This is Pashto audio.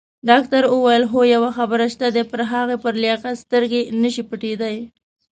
ډاکټر وویل: خو یوه خبره شته، پر هغه پر لیاقت سترګې نه شي پټېدای.